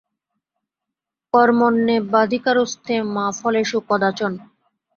কর্মণ্যেবাধিকারস্তে মা ফলেষু কদাচন।